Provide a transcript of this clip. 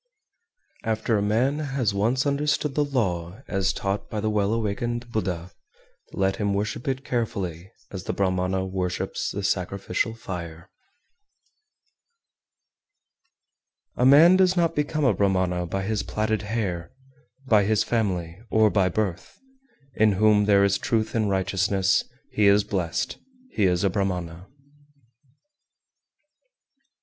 392. After a man has once understood the law as taught by the Well awakened (Buddha), let him worship it carefully, as the Brahmana worships the sacrificial fire. 393. A man does not become a Brahmana by his platted hair, by his family, or by birth; in whom there is truth and righteousness, he is blessed, he is a Brahmana.